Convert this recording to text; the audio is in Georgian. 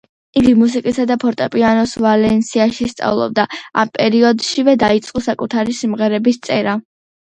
იგი მუსიკასა და ფორტეპიანოს ვალენსიაში სწავლობდა; ამ პერიოდშივე დაიწყო საკუთარი სიმღერების წერა.